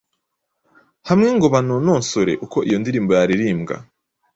hamwe ngo banononsore uko iyo ndirimbo yaririmbwa,